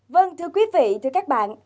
vâng thưa quý vị thưa các bạn